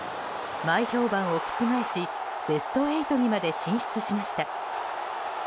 前評判を覆しベスト８にまで進出しました。